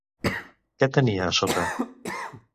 Què tenia a sota?